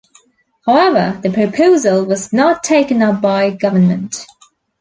However, the proposal was not taken up by government.